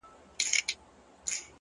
زما زنده گي وخوړه زې وخوړم _